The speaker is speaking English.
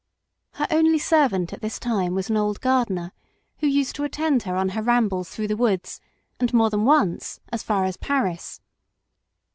Her only servant at this time was an old gardener, who used to attend her 011 her rambles through the woods, and more than once as far as Paris.